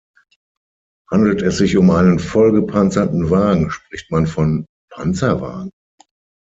Handelt es sich um einen voll gepanzerten Wagen spricht man von Panzerwagen.